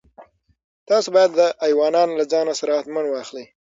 تاسو باید ایوانان له ځان سره حتماً واخلئ.